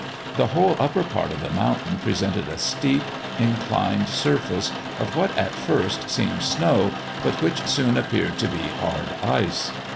The whole upper part of the mountain presented a steep, inclined surface of what at first seemed snow, but which soon appeared to be hard ice.